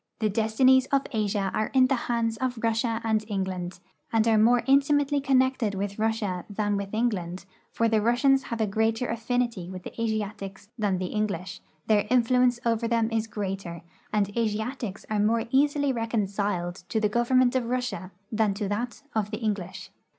The destinies of Asia are in the hands of Russia and England, and are more intimately connected with Russia than with Eng land, for the Russians have greater affinity with the Asiatics than the English, their influence over them is greater, and the Asiatics are more easily reconciled to the government of Russia than to that of the English.